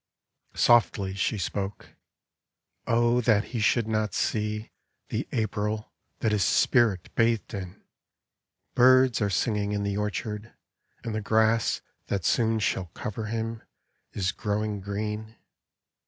Softly she spoke, " O that he should not see The April that his spirit bathed in! Birds Are singing in the orchard, and the grass That soon shall cover him is growing green.